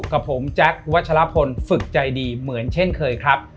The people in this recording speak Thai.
กับผมแจ๊ควัชลพลฝึกใจดีเหมือนเช่นเคยครับ